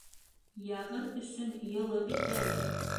Яғыр өсөн йылы бит әле